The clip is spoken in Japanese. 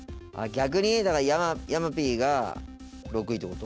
逆にだからヤマピーが６位ってこと？